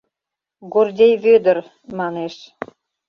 — Гордей Вӧдыр, — манеш.